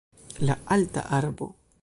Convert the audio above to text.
La alta arbo